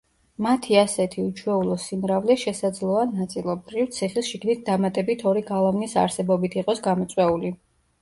მათი ასეთი უჩვეულო სიმრავლე შესაძლოა, ნაწილობრივ, ციხის შიგნით დამატებით ორი გალავნის არსებობით იყოს გამოწვეული.